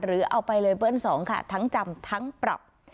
หรือเอาไปเลยเบิ้ล๒ค่ะทั้งจำทั้งปรับ